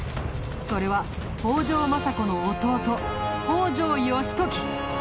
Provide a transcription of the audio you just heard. それは北条政子の弟北条義時！